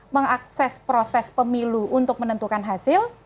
mengakses proses pemilu untuk menentukan hasil